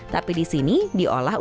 tapi di sini diolah